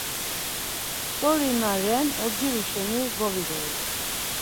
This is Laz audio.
Tzori na ren odziru şeni govigori.